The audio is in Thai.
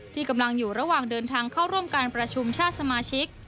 ที่กำลังอยู่ระหว่างเดินทางเข้าร่วมการประชุมชาติสมาชิก